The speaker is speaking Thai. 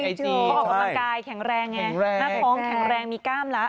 เขาออกกำลังกายแข็งแรงไงหน้าท้องแข็งแรงมีกล้ามละ